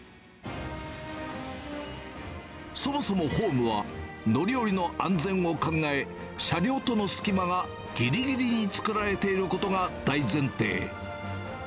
そもそもホームは、乗り降りの安全を考え、車両との隙間がぎりぎりに作られていることが大前提。